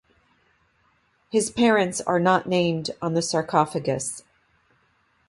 His parents are not named on the sarcophagus.